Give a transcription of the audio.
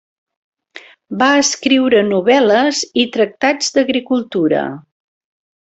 Va escriure novel·les i tractats d'agricultura.